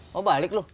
mau balik lho